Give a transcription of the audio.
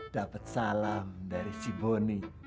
dapet salam dari si bonny